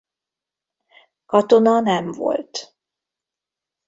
Katona nem volt.